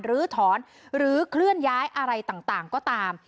หรือถอนหรือเคลื่อนย้ายอะไรต่างก็ตาม